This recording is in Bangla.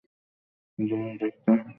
জানি, ডাক্তার।